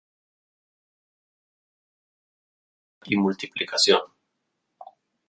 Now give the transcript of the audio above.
Esta es la forma de resistencia y multiplicación.